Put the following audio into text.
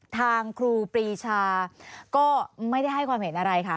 ครูปรีชาก็ไม่ได้ให้ความเห็นอะไรค่ะ